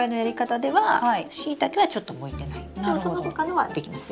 でもその他のはできますよ。